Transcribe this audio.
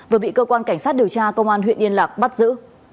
vừa bị cơ quan cảnh sát điều tra công an huyện yên lạc bắt giữ